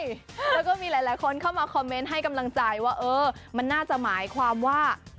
แล้วก็มีหลายคนเข้ามาคอมเมนต์ให้กำลังใจว่าเออมันน่าจะหมายความว่า